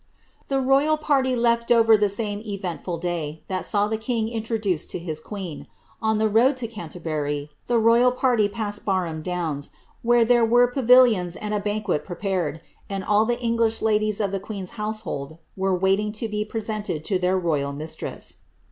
* The royal party left Dover the same eventful day that saw the king introduced to his queen. On the road to Canterbury, the royal party passed Barham Downs, where there were pavilions and a banquet pre pared, and all the English ladies of the queen's household were waiting lo be presented to their royal mistress.